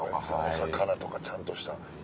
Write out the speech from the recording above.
お魚とかちゃんとした。